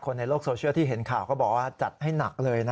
ในโลกโซเชียลที่เห็นข่าวก็บอกว่าจัดให้หนักเลยนะ